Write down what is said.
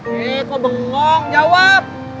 eh kok bengong jawab